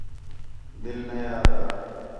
دِل نے آہدا